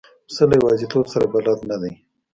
پسه له یوازیتوب سره بلد نه دی.